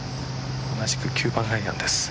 同じく９番アイアンです。